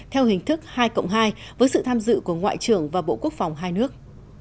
theo hình thức hai cộng hai với sự tham dự của ngoại trưởng và bộ quốc phòng hai nước